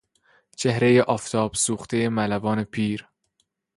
چهرهی آفتاب سوختهی ملوان پیر